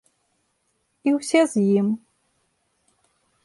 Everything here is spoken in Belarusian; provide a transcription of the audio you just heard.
І ўсе з ім.